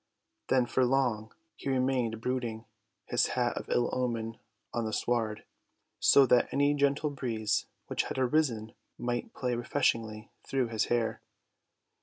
Then for long he remained brooding; his hat of ill omen on the sward, so that any gentle breeze which had arisen might play refreshingly through his hair.